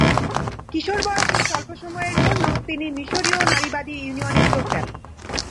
কিশোর বয়সে স্বল্প সময়ের জন্য তিনি মিশরীয় নারীবাদী ইউনিয়নে যোগ দেন।